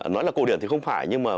nói là cổ điển thì không phải nhưng mà